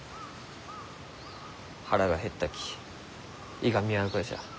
腹が減ったきいがみ合うがじゃ。